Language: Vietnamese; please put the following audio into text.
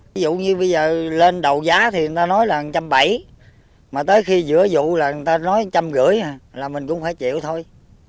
ví dụ như bây giờ lên đầu giá thì người ta nói là một trăm bảy mà tới khi giữa vụ là người ta nói một trăm linh gửi là mình cũng phải chịu thôi